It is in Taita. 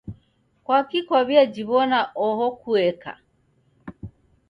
Kwaki kwaw'ajiw'ona oho kueka?